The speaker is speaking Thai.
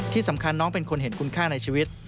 ที่สำคัญน้องเป็นคนเห็นคุณค่าในชีวิต